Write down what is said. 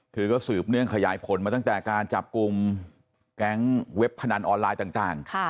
เธอก็สืบเนื่องขยายผลมาตั้งแต่การจับกลุ่มแก๊งเว็บพนันออนไลน์ต่าง